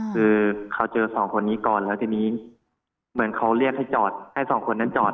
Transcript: คือเขาเจอสองคนนี้ก่อนแล้วทีนี้เหมือนเขาเรียกให้จอดให้สองคนนั้นจอด